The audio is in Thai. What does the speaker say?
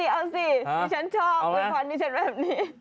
เอาสิฉันชอบอวยพรที่ฉันแบบนี้